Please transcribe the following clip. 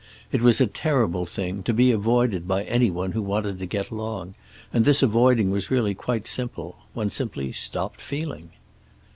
It was a terrible thing, to be avoided by any one who wanted to get along, and this avoiding was really quite simple. One simply stopped feeling.